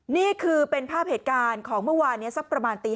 นี่คือเป็นภาพเหตุการณ์ของเมื่อวานนี้สักประมาณตี